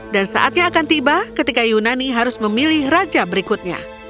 dan saatnya akan tiba ketika yunani harus memilih raja berikutnya